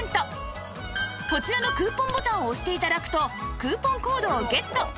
こちらのクーポンボタンを押して頂くとクーポンコードをゲット